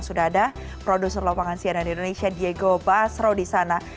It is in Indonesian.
sudah ada produser lapangan cnn indonesia diego basro di sana